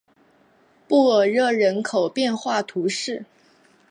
布尔热人口变化图示